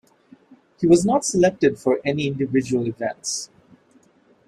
He was not selected for any individual events.